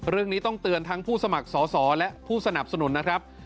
เรื่องนี้ต้องเตือนทั้งผู้สมัครสอสอและผู้สนับสนุนนะครับ